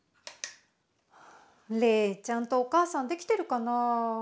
レイちゃんとお母さんできてるかなあ。